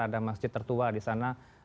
ada masjid tertua disana